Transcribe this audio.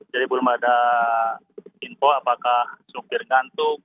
jadi belum ada info apakah sopir ngantuk